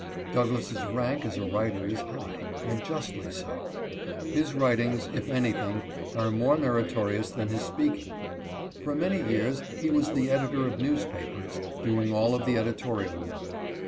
Douglass' rank as a writer is high, and justly so. His writings, if anything, are more meritorious than his speaking. For many years he was the editor of newspapers, doing all of the editorial work.